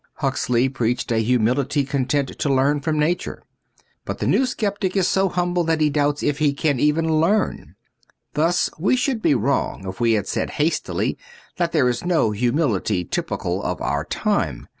Huxley preached a humility content to learn from Nature. But the new sceptic is so humble that he doubts if he can even learn. Thus we should be wrong if we had said hastily that there is no humility typical of our time.